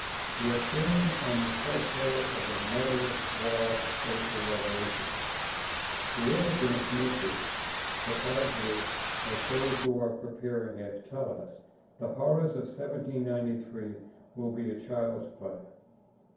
We are standing on the threshold of the murderous war of social revolution, terrific in its miseries, beside which, as those who are preparing it tell us, the horrors of 1793 will be child's play.